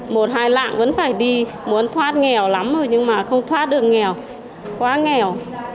một hai lạng vẫn phải đi muốn thoát nghèo lắm rồi nhưng mà không thoát được nghèo quá nghèo